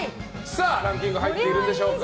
ランキング入っているんでしょうか。